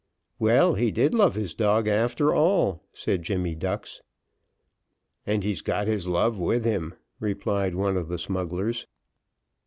"Well, he did love his dog after all," said Jemmy Ducks. "And he's got his love with him," replied one of the smugglers.